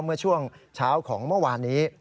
เมื่อช่วงเช้าของเมื่อวานนี้